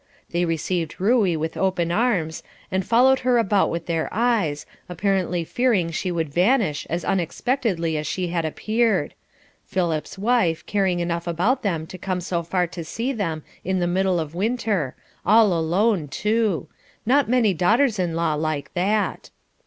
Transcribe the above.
They received Ruey with open arms, and followed her about with their eyes, apparently fearing she would vanish as unexpectedly as she had appeared "Philip's wife" caring enough about them to come so far to see them in the middle of winter, all alone, too not many daughters in law like that.